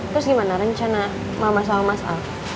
terus gimana rencana mama sama mas al